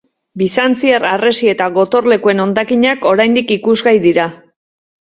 Bizantziar harresi eta gotorlekuen hondakinak oraindik ikusgai dira.